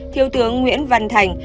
thiếu tướng nguyễn văn thành